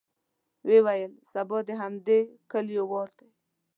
ويې ويل: سبا د همدې کليو وار دی.